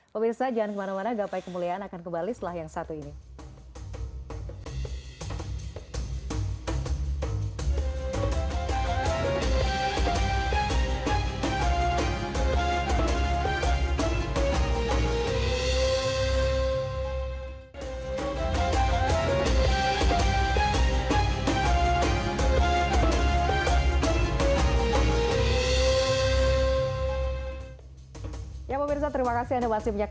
pemirsa jangan kemana mana